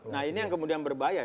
nah ini yang kemudian berbahaya